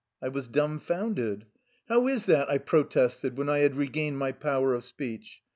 " I was dumfounded. " How is that? " I protested when I had re gained my power of speech.